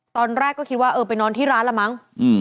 ตอนแรกก็คิดว่าเออไปนอนที่ร้านละมั้ง